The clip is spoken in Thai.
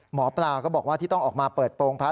หมอปลาก็บอกว่าที่ต้องออกมาเปิดโปรงพระ